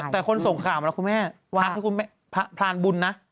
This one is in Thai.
แต่คนส่งข่าวมาแล้วคุณแม่ขาดกับคุณแม่พปราณบุญนะ